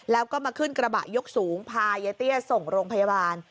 แล้วก็มาขึ้นกระบะยกสูงพายายเตี้ยส่งโรงพยาบาล